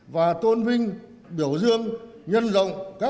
và tôn vinh biểu dương nhân rộng